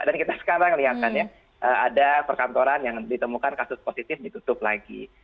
dan kita sekarang melihatkan ya ada perkantoran yang ditemukan kasus positif ditutup lagi